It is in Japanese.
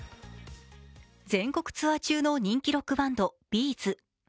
全国ツアー中の人気ロックバンド、Ｂ’ｚ。